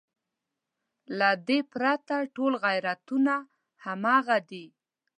له دې پرته ټول غیرتونه همغه دي.